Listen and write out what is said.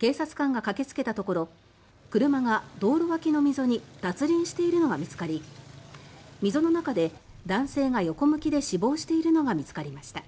警察官が駆けつけたところ車が道路脇の溝に脱輪しているのが見つかり溝の中で男性が横向きで死亡しているのが見つかりました。